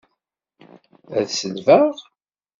Ad selbeɣ?